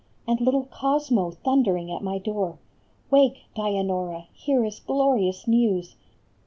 4 And little Cosmo thundering at my door; " Wake, Dianora, here is glorious news